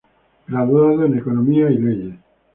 Graduado en economía y leyes.